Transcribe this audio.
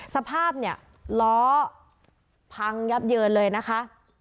สภาพเนี่ยล้อพังยับเยินเลยนะคะ